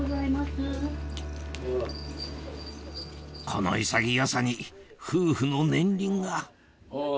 この潔さに夫婦の年輪があぁ。